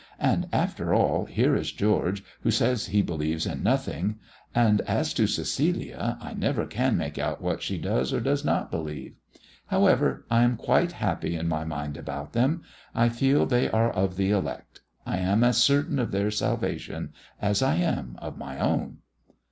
And after all, here is George who says he believes in nothing; and as to Cecilia, I never can make out what she does or does not believe. However, I am quite happy in my mind about them. I feel they are of the elect. I am as certain of their salvation as I am of my own."